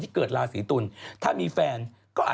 พี่มดดำดูสดใสมากมีแฟนป่ะคะ